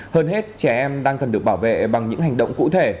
hơn hết trẻ em đang cần được bảo vệ bằng những hành động cụ thể